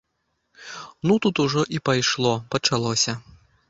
Ну, тут ужо і пайшло, пачалося.